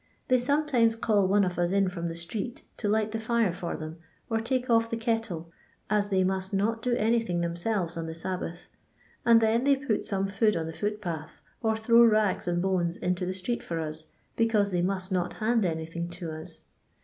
They sometimes call one of us in from the street to light the fire for them, or take off the kettle, as they must not do anything themselves on the Sabbath ; and then they put some food on the footpath, and throw rags and bones into the street for us, because they must not hand anything to us.